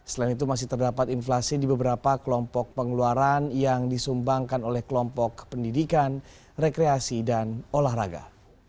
selain itu masih terdapat inflasi di beberapa kelompok pengeluaran yang disumbangkan oleh kelompok pendidikan rekreasi dan olahraga